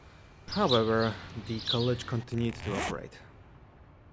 However, the college continued to operate.